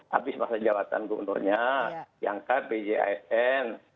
habis masa jawatan gubernurnya diangkat bjisn